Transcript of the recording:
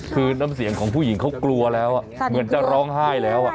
ไม่มีเมียก็ไปซื้อกินไข่อะมาคุยกับลุงแบบนี้